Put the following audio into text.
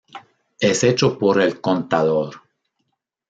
Es hecho por el contador.